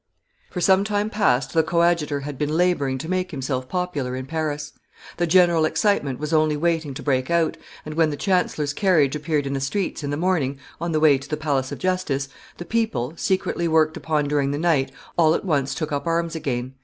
For some time past the coadjutor had been laboring to make himself popular in Paris; the general excitement was only waiting to break out, and when the chancellor's carriage appeared in the streets in the morning, on the way to the Palace of Justice, the people, secretly worked upon during the night, all at once took up arms again.